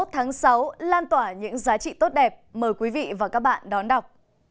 hai mươi tháng sáu lan tỏa những giá trị tốt đẹp mời quý vị và các bạn đón đọc